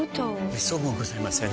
めっそうもございません。